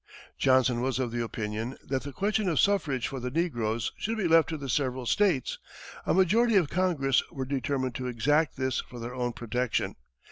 Johnson was of the opinion that the question of suffrage for the negroes should be left to the several states; a majority of Congress were determined to exact this for their own protection.